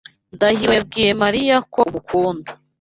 Ndahiro yabwiye Mariya ko umukunda.